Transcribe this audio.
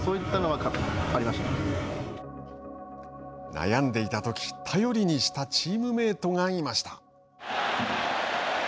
悩んでいたとき頼りにしたチームメートがいました。